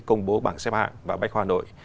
công bố bảng xếp hạng vào bách khoa hà nội